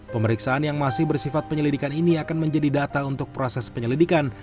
pemeriksaan yang masih bersifat penyelidikan ini akan menjadi data untuk proses penyelidikan